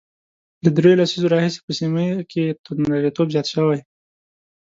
له درېو لسیزو راهیسې په سیمه کې توندلاریتوب زیات شوی دی